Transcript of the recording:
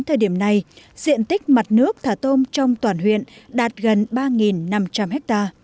thời điểm này diện tích mặt nước thả tôm trong toàn huyện đạt gần ba năm trăm linh ha